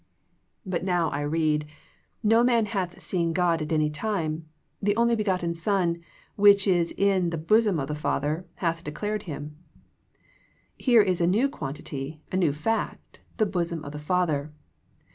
But now I read " No man hath seen God at any time ; the only begotten Son, which is in the bosom of the Father, He hath declared Him." Here is a new quantity, a new fact, " the bosom of the Father."